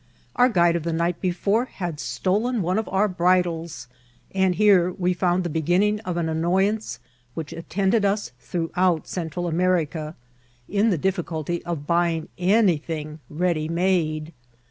Our guide of the night before had stolen one of our bridles ; and here we found the beginning of an annoyance which attended us throughout Central Am^ ica, in the difficulty of buying anything ready made.